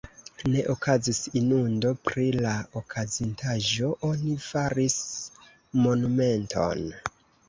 Ne okazis inundo, pri la okazintaĵo oni faris monumenton.